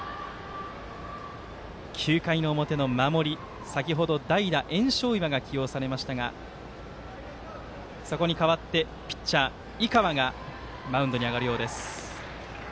９回の表の守り先ほど代打、焔硝岩が起用されましたがそこに代わってピッチャー、井川がマウンドに上がるようです。